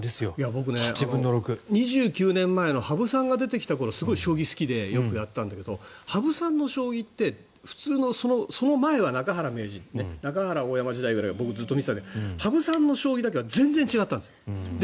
僕、２９年前の羽生さんが出てきた頃すごい将棋好きでよくやったんだけど羽生さんの将棋ってその前は中原名人中原、大山時代から僕は見てたけど羽生さんの将棋だけ全然違ったの。